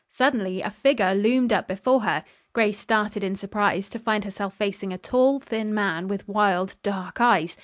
Suddenly a figure loomed up before her. Grace started in surprise, to find herself facing a tall, thin man with wild, dark eyes.